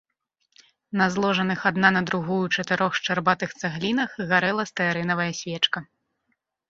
На зложаных адна на другую чатырох шчарбатых цаглінах гарэла стэарынавая свечка.